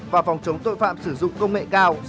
và phòng chống tội phạm sử dụng công nghệ cao